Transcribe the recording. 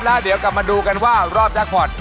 แล้วเดี๋ยวกลับมาดูกันว่ารอบแจ็คพอร์ต